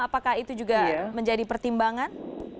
apakah itu juga menjadi pertimbangan